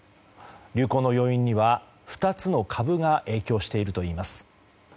流行の要因には２つの株が影響しているといいます。